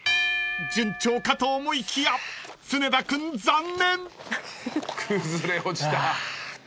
［順調かと思いきや常田君残念］